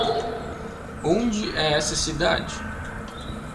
Onde é essa cidade?